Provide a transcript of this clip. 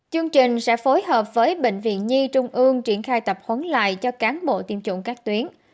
chương trình sẽ phối hợp với bệnh viện nhi trung ương triển khai tập huấn lại cho cán bộ tiêm chủng các tuyến